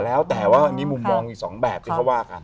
แล้วแต่ว่าอันนี้มุมมองอีกสองแบบที่เขาว่ากัน